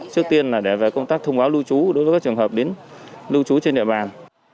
trước tiên là để về công tác thông báo lưu trú đối với các trường hợp đến lưu trú trên địa bàn